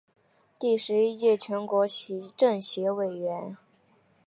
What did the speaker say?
第十一届全国政协委员。